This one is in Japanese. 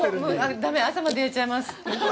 だめ、朝までやれちゃいます。